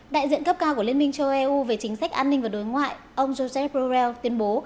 đại diện cấp cao của liên minh châu âu eu về chính sách an ninh và đối ngoại ông josep borrell tuyên bố